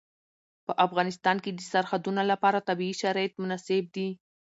په افغانستان کې د سرحدونه لپاره طبیعي شرایط مناسب دي.